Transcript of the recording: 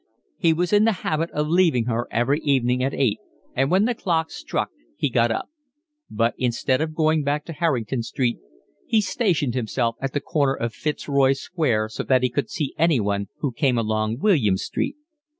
He was in the habit of leaving her every evening at eight, and when the clock struck he got up; but instead of going back to Harrington Street he stationed himself at the corner of Fitzroy Square so that he could see anyone who came along William Street.